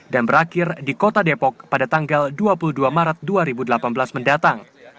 dan berakhir di kota depok pada tanggal dua puluh dua maret dua ribu delapan belas mendatang